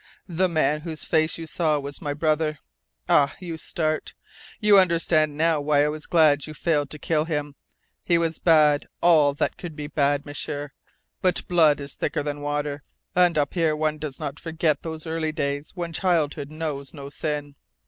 "The man whose face you saw was my brother. Ah, you start! You understand now why I was glad you failed to kill him. He was bad, all that could be bad, M'sieur, but blood is thicker than water, and up here one does not forget those early days when childhood knows no sin.